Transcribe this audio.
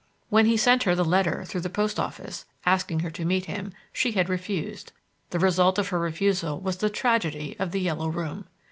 When he sent her the letter through the Post Office, asking her to meet him, she had refused. The result of her refusal was the tragedy of "The Yellow Room".